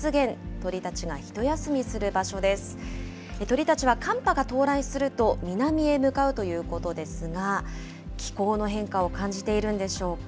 鳥たちは寒波が到来すると、南へ向かうということですが、気候の変化を感じているんでしょうか。